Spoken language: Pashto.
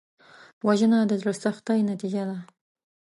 وژنه د زړه سختۍ نتیجه ده